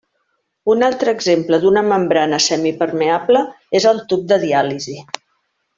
Un altre exemple d'una membrana semipermeable és el tub de diàlisi.